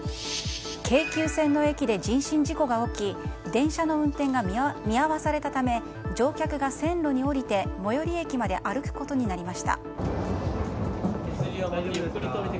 京急線の駅で人身事故が起き電車の運転が見合わされたため乗客が線路に降りて最寄り駅まで歩くことになりました。